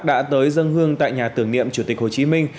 đã tới dân hương tại nhà tưởng niệm chủ tịch hồ chí minh